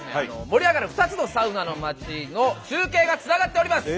盛り上がる２つのサウナの町の中継がつながっております。